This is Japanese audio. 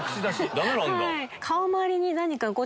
ダメなんだ。